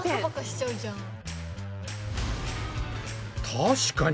確かに。